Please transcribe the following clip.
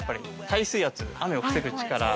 耐水圧、雨を防ぐ力。